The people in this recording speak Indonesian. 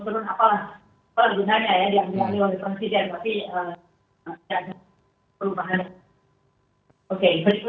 turunnya tidak berapa signifikan belum sampai pada titik yang kita dengar sebelumnya empat belas per liter